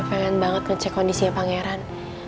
pengen banget ngecek kondisinya pangeran